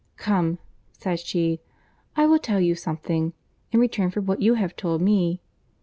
"Come," said she, "I will tell you something, in return for what you have told me.